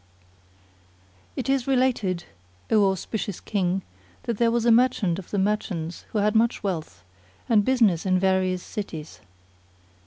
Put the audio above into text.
It is related, O auspicious King, that there was a merchant of the merchants who had much wealth, and business in various cities.